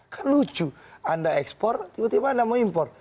kan lucu anda ekspor tiba tiba anda mau impor